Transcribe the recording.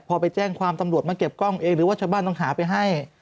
พอไปแจ้งความตำรวจมาเก็บกล้องเองหรือว่าชาวบ้านต้องหาไปให้